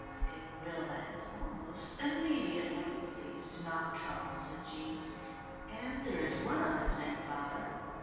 "It will end almost immediately. Please do not trouble," said Jean, "and there is one other thing, father.